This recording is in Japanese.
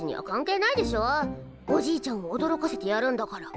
おじいちゃんをおどろかせてやるんだから。